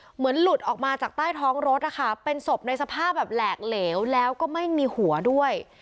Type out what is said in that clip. หลุดออกมาจากใต้ท้องรถนะคะเป็นศพในสภาพแบบแหลกเหลวแล้วก็ไม่มีหัวด้วย